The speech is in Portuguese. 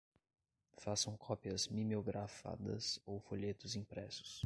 façam cópias mimeografadas ou folhetos impressos